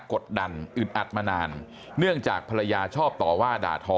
กดดันอึดอัดมานานเนื่องจากภรรยาชอบต่อว่าด่าทอ